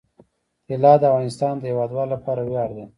طلا د افغانستان د هیوادوالو لپاره ویاړ دی.